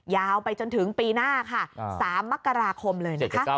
ยาวไปจนถึงปีหน้าค่ะ๓มกราคมเลยนะคะ